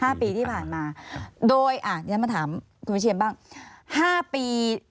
ห้าปีที่ผ่านมาโดยอ่ายังไม่ถามคุณวิเชียมบ้างห้าปี